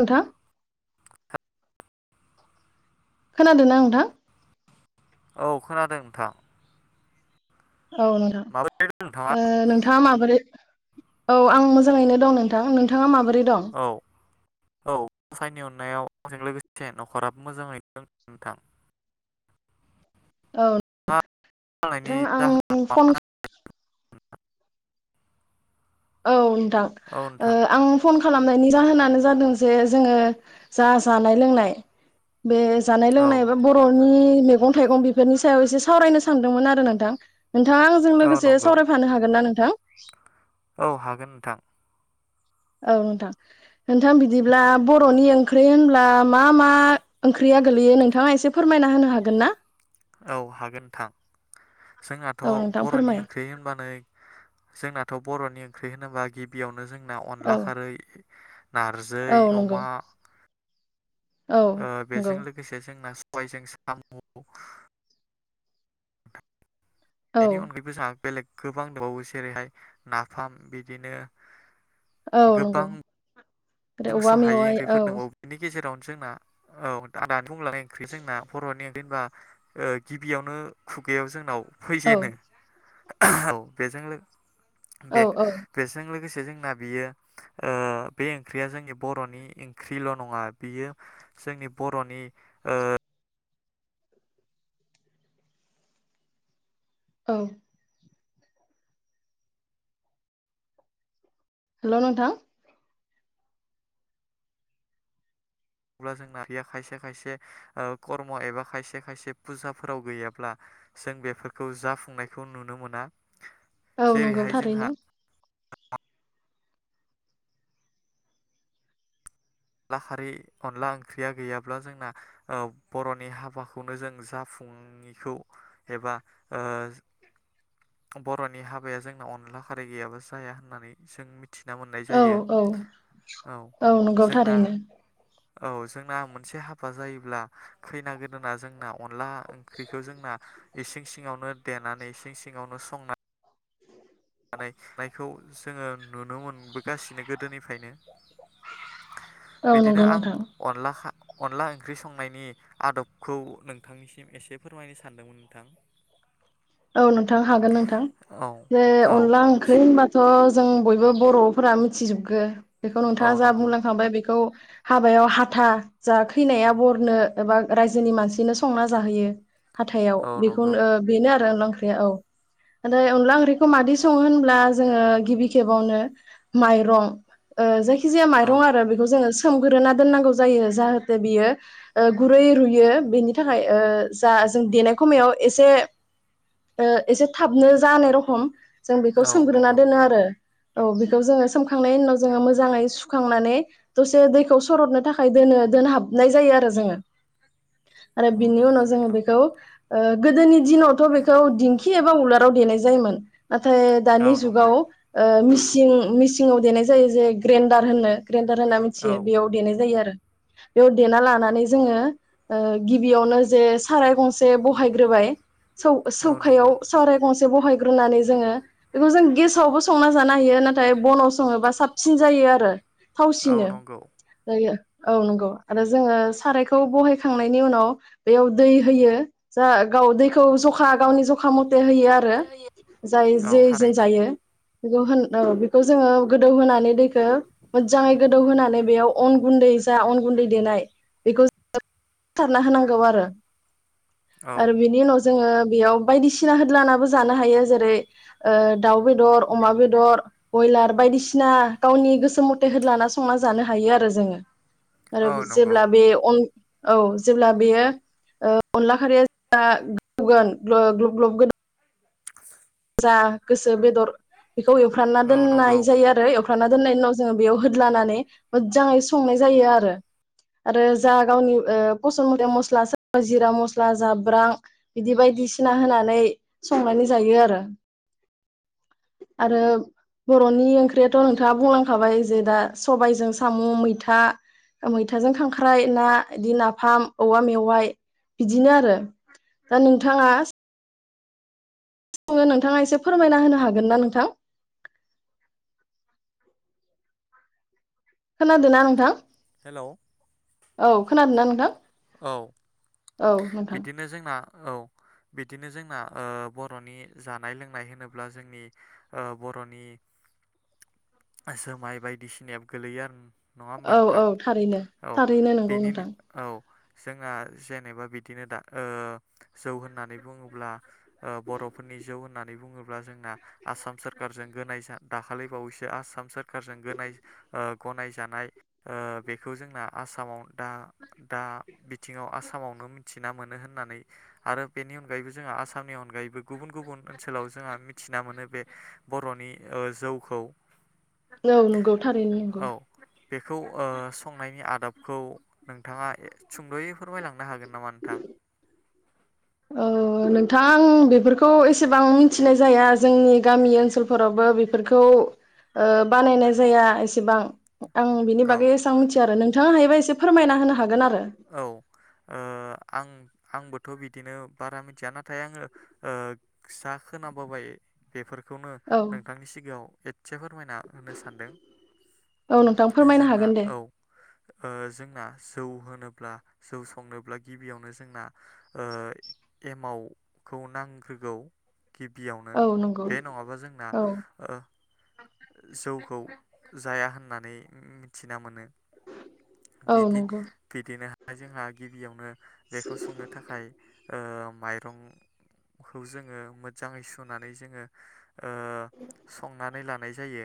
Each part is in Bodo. नोंथां खोनादोंना नोंथां? औ खोनादों नोंथां। औ नोंथां माबोरै दं नोंथाङा? ओ नोंथाङा माबोरै औ आं मोजाङैनो दं नोंथां नोंथाङा माबो रै दं? औ औ गसाइनि अननायाव आंजों लोगोसे न'खराबो मोजाङै दं नोंथां। औ नोंथां आं फन [inaudible] औ थां औ ओ नोंथां आं फन खालामनायनि जाहोनानो जादों जे जोङो जा जानाय-लोंनाय बे जानाय औ लोंनाय बा बर'नि मेगं-थाइगं बेफोरनि सायाव एसे सावरायनो सानदोंमोन आरो नोंथां। नोंथाङा आंजों औ लोगोसे नंगौ सावरायफानो हागोन ना नों थां औ हागोन नोंथां। औ नोंथां नोंथां बिदिब्ला बर'नि ओंख्रि होनब्ला मा मा ओंख्रिया गोलैयो नोंथाङा एसे फोरमायना होनो हागोन ना? औ हागोन नोंथां। जोंनाथ' औ नोंथां बर'नि फोरमाय ओंख्रि होननानै जोंनाथ' बर'नि ओंख्रि होनोबा गिबियावनो जों ना औ अनला खारै नारजै, औ नंगौ अमा औ ओ नंगौ बेजों लोगोसे जोंना गुबै जों सामु औ बेनि अनगायैबो जोंहा बेलेग गोबां दंबावो जेरैहाय नाफाम बिदिनो औ नंगौ गोबां ओरै औवा बुंस' हायै मेवाइ औ ओंख्रिफोर दंबाव बेनि गेजे रावनो जोंना औ आदानि बुंंलांनाय ओंख्रि जोंना बर'नि ओंख्रि होनबा ओ गिबियावनो खुगायाव जोंनाव औ फैजेनो [unintelligible] औ बेजों लो औ बे औ बेजों लोगोसे जों जोंना बियो ओ बे ओंख्रिया जोंनि बर'नि ओंख्रिल' नङा बियो जोंनि बर'नि ओ औ हेल' नोंथां अब्ला जोंना बेयो खायसे खायसे ओ कर्म एबा खायसे खायसे पुजाफोराव गैयाब्ला जों बेफोरखौ जाफुंनायखौ नुनो मोना। औ नंगौ जेरैहाय जोंहा थारैनो। अनला खारै अनला ओंख्रिया गैयाब्ला जोंना ओ बर'नि हाबाखौनो जों जाफु ङिखौ एबा ओ बर'नि हाबाया जोंना अनला खारैै गैयाब्ला जाया होननानै जों मिथ औ औ औ नंगौ जोंना थारैनो। औ जोंना मोनसे हाबा जायोब्ला खैना गोदोना जोंना अनला ओंख्रिखौ जोंना इसिं सिङावनो देनानै इसिं सिङावनो संनानै नायखौ जोङो नुनो मोनबोगासिनो गोदोनिफायनो औ बिदिनो नंगौ आं नोंथां अनला खा अनला ओंख्रि संनायनि आदबखौ नोंथांनिसिम एसे फोरमायनो सानदोंमोन नोंथां औ नोंथां हागोन नोंथां औ जे औ अनला ओंख्रि होनबाथ' ओ जों बयबो बर'फोरा मिथिजोबगो बेखौ औ नोंथाङा जा नंगौ बुंलांखांबाय बेखौ हाबायाव हाथा जा खैनाया बरनो एबा रायजोनि मानसिनो संना जाहोयो हाथायाव औ बेखौ नंगौ ओ बेनो आ अनला ओंख्रि औ नाथाय अनला ओंख्रिखौ मादि संङो होनब्ला जोंङो गिबि खेबावनो माइरं ओ जाय जायखिजाया औ माइरं आरो बेखौ जोङो सोमग्रोना दोननांगौ जायो जाहाथे बियो ओ गुरै रुयो बेनि थाखाय ओ जा जों देनाय खमयाव एसे ओ एसे थाबनो जानो रखम जों बेखौ औ सोमग्रोना नंगौ। दोनो आरो। औ बेखौ जोङो सोमखांनायनि उनाव जोङो मोजाङै सुखांनानै दसे दैखौ सरदनो थाखाय दोनो दोनहाबनाय जायो आरो जोङो। आरो औ बिनि नंगौ उनाव जोङो नोंथां। बेखौ ओ गोदोनि दिनावथ' बेख खौ दिंखि एबा उलाराव देनाय जायोमोन। नाथाय औ दानि जुगाव नंगौ ओ मिस सिं मिसिंआव देनाय जायो जे ग्रेन्डार होनो ग्रेन्डार होनना औ मिथियो बेयाव देनाय जायो आरो। बेयाव देना लानानै जोङो ओ गिबियावनो जे साराय गंसे बहायग्रोबाय औ नंगौ सौखायाव सराय गं से बहायग्रोनानै जोङो बेखौ जों गेसावबो संना जानो हायो नाथाय बनाव सङोबा साबसिन जायो आरो। औ थावसिनो नंगौ। जायो। औ नंगौ आरो जोङो सारायखौ बहायखांनायनि उनाव बेयाव दै होयो जा गाव दैखौ जखा गावनि जखा म थे होयो आरो जाय औ जे जों थारैनो जायो। बेखौ होन औ बेखौ जोङो गोदौ होनोनानै दैखौ मोजाङै गोदौ होनोनानै बेयाव अन गुन्दै जा अन गुन्दै देनाय बेखौ सारना होनांगौ आरो। औ आरो बिनि उनाव जोङो बेयाव बायदिसिना होद्लानाबो जानो हायो जेरै दाउ बेदर अमा बेदर बयलार बायदिसिना गावनि गोसो मथे होद्लाना संना जानो हायो आरो जोङो। आरो औ नंगौ जेब्ला बे अन औ जेब्ला बेयो अनला खारिया गोदौगोन ग ग्लप ग्लप गो जा गोसो बेदर बेखौ एवफ्रानना औ नंगौ। दोननाय जायो आरो एव एउफ्रामना दोननायनि उनाव जोङो बेयाव होद्लानानै मोजाङै संनाय जायो आरो आरो जा गावनि फस मथ मस्ला सोरबा जिरा मस्ला जाब्रां बिदि बायदिसिना होनानै संनानै जायो आरो। आरो बर'नि ओंख्रियाथ' नोंथाङा बुंलांखाबाय जे दा सबायजों साम', मैथा मैथाजों खांख्राइ ना, बिदि नाफाम औवा मेवाइ बिदिनो आरो दा नोंथाङा संङो नोंथाङा एसे फोरमायना होनो हागोन ना नोंथां? खोनादों ना नोंथां? हेलौ औ खोनादोंना नोंथां? औ औ नोंथां बिदिनो जोंना औ बिदिनो जोंना ओ बर'नि जानाय लोंनाय होनोब्ला जोंनि बर'नि जोमाय बायदिसिनायाबो गोलैयो आरो नङा होमबा औ औ नोंथां थारैनो औ थारैनो नंगौ बेनिनो नोंथां। औ जोंना जेनेबा बिदिनो दा ओ जौ होननानै बुङोब्ला ओ बर'फोरनि जौ होन होन्नानै बुङोब्ला जोंना आसाम सोरखारजों गोनाय जा दाखालि बावैसो आसाम सोरखारजों गनाय गनायजानाय ओ बेखौ जोंना आसामाव दा दा बिथिङाव आसामावनो मिथि ना मोनो होननानै आरो बेनि अनगायैबो जोंहा आसामनि अनगायैबो गुबुन गुबुन ओनसोलाव जोंहा मिथिना मोनो बे बर'नि जौखौ। औ नंगौ थारैनो औ नंगौ। बेखौ संनायनि आदाबखौ नोंथाङा ए सुंद'यै फोरमायलांनो हागोन नामा नोंथां? औ नोंथां आं बेफोरखौ एसेबां मिथिनाय जाया। जोंनि गामि ओनसोलफोरावबो बेफोरखौ बानायनाय जाया एसेबां। आं बिनि बागै औ एसेबां मिथिया आरो नों थाङा हायोबा एसे फोरमायना होनो हागोन आरो। औ ओ आं आंबोथ' बिदिनो बारा मिथिया नाथाय आङो जा खोनाबोबाय बेफोर खौनो औ नोंथांनि सिगाङाव एसे फोरमायना होनो सानदों औ नोंथां फोरमायनो जों हागोन दे औ जों ज जौ संनोब्ला गिबियावनो जोंना एमावखौ नांग्रोगौ गिबियावनो औ नंगौ बे नङाबा जोंना औ जौखौ जाया होननानै मिथिना मोनो औ बिदि नंगौ बिदिनो दा जोंहा गिबियावनो बेखौ संनो थाखाय माइरंखौ जोङो मोजाङै सुनानै जोङो संनानै लानो हानाय जायो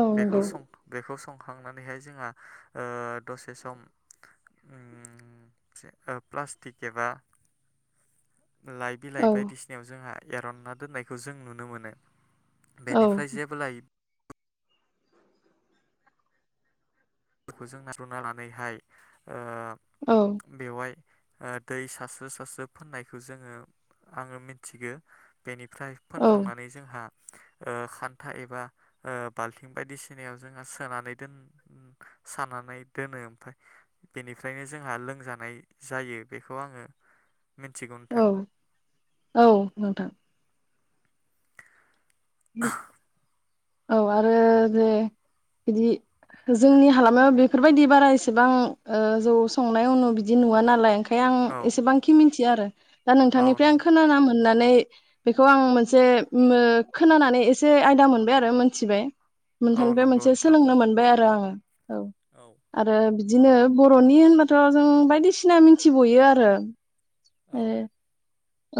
औ बेखौ नंगौ सं बेखौ सं सखांनानैहाय जोंहा दसे सम प्लास्टिक एबा लाइ बिलाइ औ बायदिसिनायाव जोंहा एरनना दोननायखौ जों नुनो मोनो औ बेनिफ्राय जेबोला इ खौ जों नार'ना लानानैहाय ओ औ बेवहाय दै सारस्रो सारस्रो फोननायखौ जोङो आङो मिथिगौ बेनिफ्राय औ फोनखांनानै जोंहा खान्था एबा बाल्थिं बायदिसिनायाव जोंहा सोनानै दोन सानानै दोनो ओमफफ्राय बेनिफ्रायनो जोंहा लोंजानाय जायो बेखौ आङो मिथिगौ नोंथां औ औ नोंथां उम औ आरो जे बिदि जोंनि हालामाव बेफोरबायदि बारा एसेबां ओ जौ संनाय उनु बिदि नुवा नालाय ओं ओंखाय आं औ एसेबाखि मिन थिया आरो दा औ नोंथांनिफ्राय आं नंगौ खोनाना होननानै बेखौ आं मोनसे खोनानानै एसे आयदा मोनबाय आरो मोनथिबाय औ नोंथांनिफ्राय बे नंगौ मोनसे नोंथां सोलोंनो मोनबाय आरो आङो ओ औ आरो बिदिनो बरनि होनबाथ जों बायदिसिना मिनथिबयो आरो ओ औ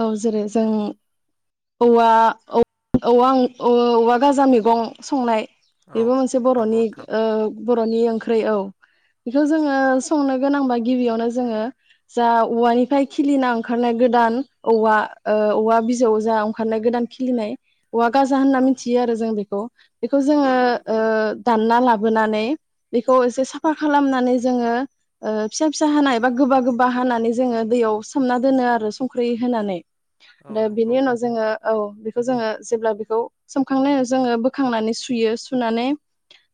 औ जेरै जों औवा औवा औवा गाजा मैगं संनाय औ बेबो मोनसे नंगौ बरनि नोंथां ओ बरनि ओंख्रै औ बेखौ जोङो संनो गोनांबा गिबियावनो जोङो जा औवानिफ्राय खिलिना ओंखारनाय गोदान औवा ओ औवा बिजौ जा ओंखारनाय गोदान खिलिनाय औवा गाजा होनना औ मिथियो आरो जों बेखौ बेखौ जोङो ओ दानना लाबोनानै बेखौ एसे साफा खालामनानै जोङो ओ फिसा फिसा हानाय बा गोबा गोबा हानानै जोङो दैयाव सोमना दोनो आरो संख दै होनानै औ आरो नंगौ बिनि उनाव जोङो औ बेखौ जोङो जेब्ला बेखौ सोमखांनाय उनाव जोङो बोखांनानै सुयो सुनानै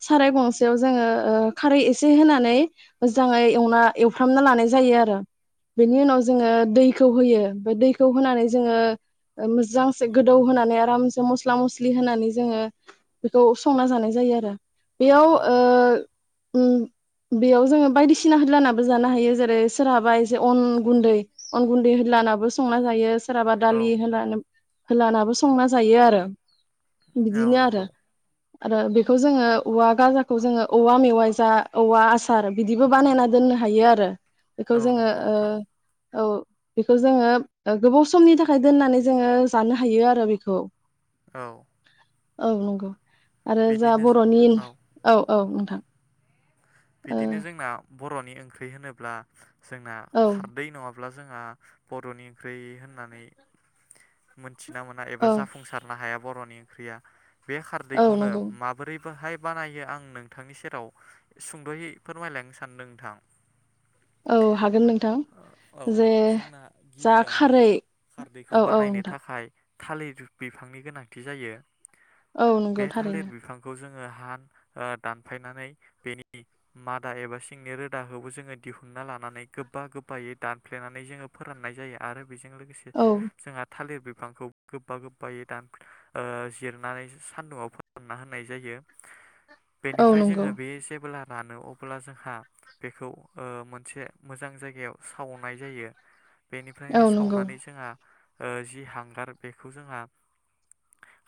साराय गंसेयाव जोङो खारै एसे होनानै मोजाङै एवना एवफ्रामना लानाय जायो आरो बेनि उनाव जोङो दैखौ होयो बेमफ्राय दैखौ होनानै जोङो मोजांसे गोदौ होनानै आरामसे मस्ला मस्लि होनानै जोङो बेखौ संना जानाय जायो आरो बेयाव औ ओ नंगौ उमबेयाव जोङो बायदिसिना ह्लानाबो जानो हायो जेरै सोरहाबा एसे अन गुन्दै अन गुन्दै होल्लानाबो संना जायो सोरहाबा औ दालि होनानै होलानाबो संना जायो आरो औ बिदिनो आरो नंगौ आरो बेखौ जोङो औवा गाजाखौ जोङो औवा मेवाइ जा औवा आसार बिदिबो बानायना दोननो हायो आरो बेखौ औ जोङो नंगौ नोंथां ओ औ बेखौ जोङो ओ गोबाव समनि थाखाय दोननानै जोङो जानो हायो आरो बेखौ औ औ नंगौ आरो जा बिदिनो जो बरनि औ औ थां बिदिनो जोंना बर'नि ओंख्रि होनोब्ला जोंना औ खारदै नंङाब्ला बा जोंहा बर'नि ओंख्रि होननानै मोन थिना मोना एबा औ जाफुंसारनो हाया बर'नि ओंख्रिया बे औ खारदैखौनो नंगौ माबोरै ब बाहाय बानायो आं नोंथांनि सेराव सुंद'यै फोरमायलायनो सानदों नोंथां औ हागोन नोंथां औ जे जोंना जा गिबियावनो खारै खारदैखौ औ औ बानायनो नोंथां थाखाय थालिर बिफांनि गोनांथि जायो औ नंगौ थारैनो ओ हान दानफायनानै बेनि नि मादा एबा सिंनि रोदाखौबो जोङो दिहुनना लानानै गोबा गोबायै दानफ्लेनानै जोङो फोराननाय जायो आरो बेजों लोगोसे औ जोंहा थालिर बे बिफांखौ गोबा गोबायै दान ओ जिरनानै सान्दुंआव फारानना होनाय जायो औ बेनिफ्राय नंगौ जोङो बे एसे जेब्ला रानो अब्ला जोंहा बेखौ ओ मोनसे मोजां जायगायाव सावनाय जायो औ बेनिफ्रायनो नंगौ सावनानै जोंङा ओ जि हांगार बेखौ जोंहा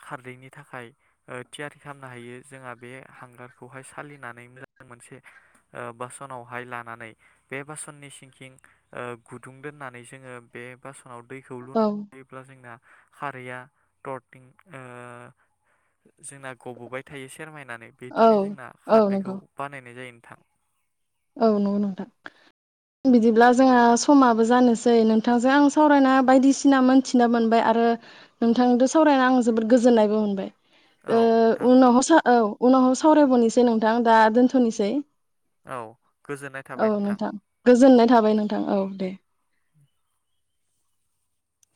खारदैनि थाखाय ओइ थियारि खालामनो हायो जोंहा बे हांगारखौहाय सालिनानै मोजां मोनसे ओ बासनावहाय लानानै बे बासननि सिंखिं ओ गुदुं दोननानै जोङो बे बासन दानाव दैखौ औ लुयोब्ला जोंना खारैया टरटिं ओ जोंना गबोबाय थायो सेरमायनानै औ बिदिनो जोंना औ खारदैखौ नंगौ बानायनाय जायो नोंथां औ नंगौ नोंथां बिदिब्ला जोंहा समाबो जानोसै नोंथांजों आं सावरायना बायदिसिना मोनथिना मोनबाय आरो नोंथांजों सावरायना आं जोबोद गोजोननायबो मोनबाय औ ओ नोंथां उनावहाय साव औ उनाव सावरायबावनोसै नोंथां दा दोनथ'नोसै औ गोजोननाय थाबाय औ नोंथां गोजोननाय थाबाय नोंथां औ दे